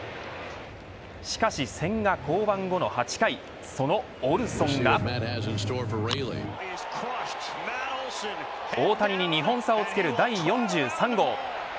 しかし、千賀降板後の８回そのオルソンが大谷に２本差をつける第４３号。